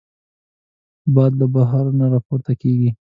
باد له بحرونو راپورته کېږي